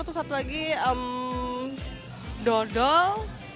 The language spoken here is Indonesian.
terus satu lagi dodol